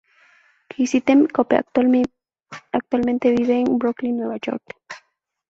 Citizen Cope actualmente vive en Brooklyn, Nueva York.